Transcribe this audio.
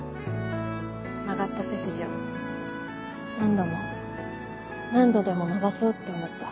曲がった背筋を何度も何度でも伸ばそうって思った。